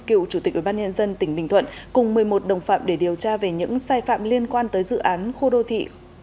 cựu chủ tịch ubnd tỉnh bình thuận cùng một mươi một đồng phạm để điều tra về những sai phạm liên quan tới dự án khu đô thị